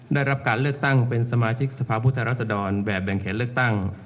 ได้รับการเลือกตั้งเป็นสมาชิกสภาพผู้แทนรัศดรแบบแบ่งเขตเลือกตั้ง